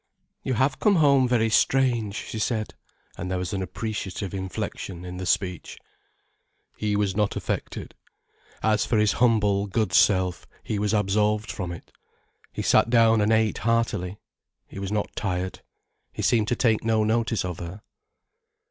"You have come home very strange," she said. And there was an appreciative inflexion in the speech. He was not affected. As for his humble, good self, he was absolved from it. He sat down and ate heartily. He was not tired. He seemed to take no notice of her.